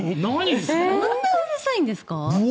そんなうるさいんですか？